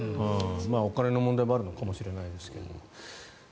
お金の問題もあるのかもしれないですけど。